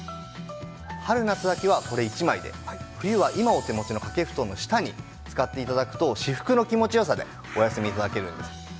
春夏秋はこれ１枚で冬は今お手持ちの掛け布団の下に使って頂くと至福の気持ち良さでお休み頂けるんです。